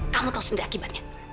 kamu tahu sendiri akibatnya